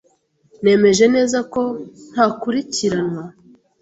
Nemeje neza ko ntakurikiranwa.